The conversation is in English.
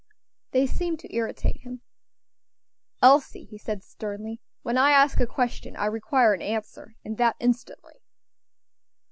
They seemed to irritate him. "Elsie," he said, sternly, "when I ask a question, I require an answer, and that instantly."